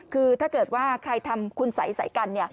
คือถ้าเกิดว่าใครทำคุณสัยใส่กัน